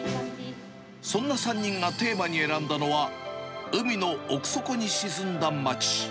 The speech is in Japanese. そんな３人がテーマに選んだのは、海の奥底に沈んだ街。